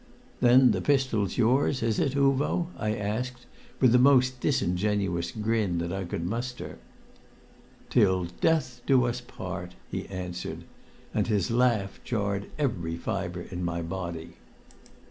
"Then the pistol's yours, is it, Uvo?" I asked, with the most disingenuous grin that I could muster. "Till death us do part!" he answered. And his laugh jarred every fibre in my body.